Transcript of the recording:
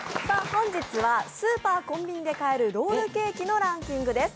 本日はスーパー、コンビニで買えるロールケーキのランキングです。